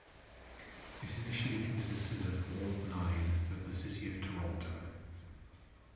It initially consisted of Ward Nine of the city of Toronto.